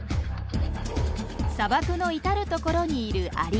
砂漠の至る所にいるアリ。